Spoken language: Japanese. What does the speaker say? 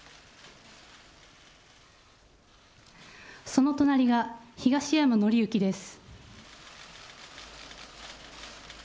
その隣が、東山紀之です。